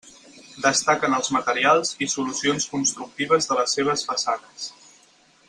Destaquen els materials i solucions constructives de les seves façanes.